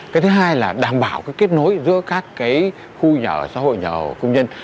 cái thứ hai là đảm bảo cái kết nối giữa các cái khu nhà ở xã hội nhà ở công nhân